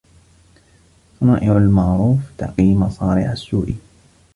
صَنَائِعُ الْمَعْرُوفِ تَقِي مَصَارِعَ السُّوءِ